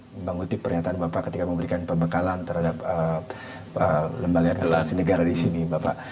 saya sempat mengutip pernyataan bapak ketika memberikan pembekalan terhadap lembalian pemerintahan negara di sini bapak